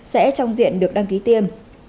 sẽ trong diện được đăng ký tiêm